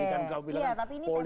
tadi kan kau bilang politik jadilah